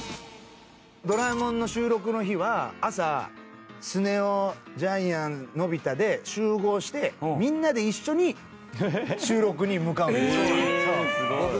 『ドラえもん』の収録の日は朝スネ夫ジャイアンのび太で集合してみんなで一緒に収録に向かうんです。